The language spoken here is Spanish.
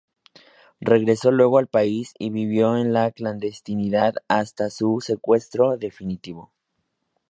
Regresó luego al país y vivió en la clandestinidad hasta su secuestro definitivo.